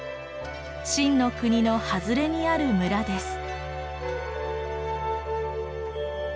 晋の国の外れにある村です。